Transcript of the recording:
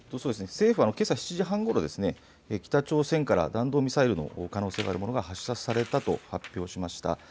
政府はけさ７時半ごろ、北朝鮮から弾道ミサイルの可能性があるものが発射されたと発表しました。